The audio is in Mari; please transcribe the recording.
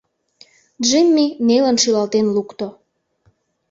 Джимми нелын шӱлалтен лукто: